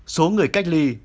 số người cách ly